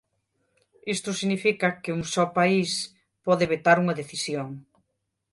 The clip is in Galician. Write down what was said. Isto significa que un só país pode vetar unha decisión..